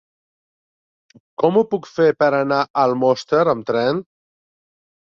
Com ho puc fer per anar a Almoster amb tren?